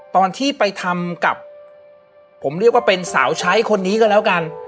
ตอนที่ไปทำกับผมเรียกว่าเป็นสาวใช้คนนี้ก็แล้วกัน